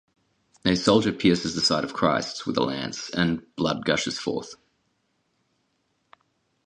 A soldier pierces the side of Christ with a lance and blood gushes forth.